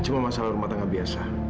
cuma masalah rumah tangga biasa